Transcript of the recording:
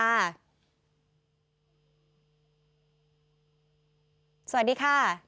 สวัสดีค่ะ